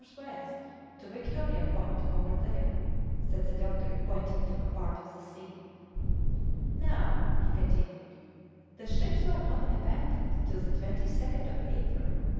W. to Victoria Point over there," said the doctor, pointing to a part of the sea. "Now," he continued, "the ships were not abandoned till the 22nd of April, 1848.